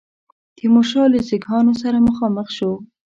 تیمورشاه له سیکهانو سره مخامخ شو.